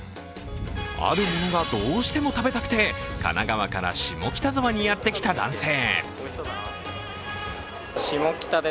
あるものがどうしても食べたくて、神奈川から下北沢にやってきた男性。